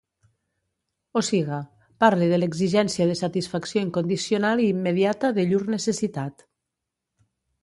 O siga, parle de l'exigència de satisfacció incondicional i immediata de llur necessitat.